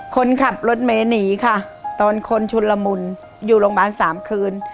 คนขับรถเมย์หนีค่ะตอนคนชุนละมุนอยู่โรงพยาบาลสามคืน